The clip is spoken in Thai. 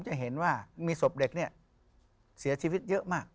เด็กเนี่ยเสียชีวิตเยอะมาก